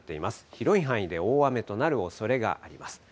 広い範囲で大雨となるおそれがあります。